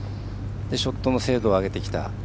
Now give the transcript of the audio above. ショットの精度を上げてきた。